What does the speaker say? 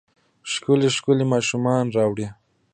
ښکلې ، ښکلې ماشومانې راوړي